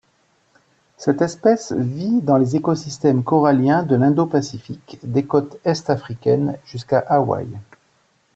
Cette espèce vit dans les écosystèmes coralliens de l'Indo-Pacifique, des côtes est-africaines jusqu'à Hawaii.